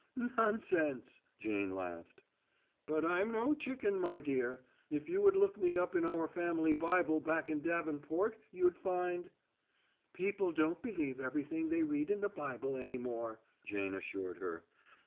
"Nonsense!" Jane laughed. "But I'm no chicken, my dear. If you would look me up in our family Bible back in Davenport you'd find " "People don't believe everything they read in the Bible any more," Jane assured her.